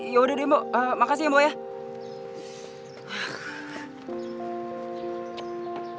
yaudah deh bu makasih ya bu